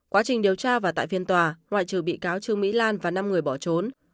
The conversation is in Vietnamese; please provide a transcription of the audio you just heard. quá trình điều tra và tại phiên tòa loại trừ bị cáo trương mỹ lan và năm người bỏ trốn